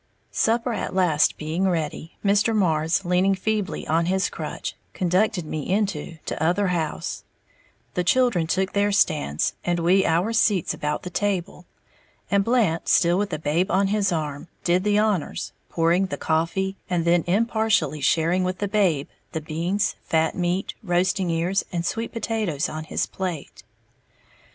Supper at last being ready, Mr. Marrs, leaning feebly on his crutch, conducted me into "t'other house," the children took their stands and we our seats about the table, and Blant, still with the babe on his arm, did the honors, pouring the coffee, and then impartially sharing with the babe the beans, fat meat, roasting ears and sweet potatoes on his plate.